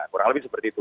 kurang lebih seperti itu